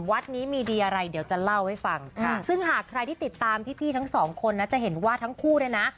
วัดนี้มีดีอะไรเดี๋ยวจะเล่าให้ฟังค่ะซึ่งหากใครที่ติดตามพี่พี่ทั้งสองคนนะจะเห็นว่าทั้งคู่เนี่ยนะ